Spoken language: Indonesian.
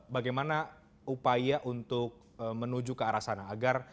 bagaimana upaya untuk menuju ke arah sana agar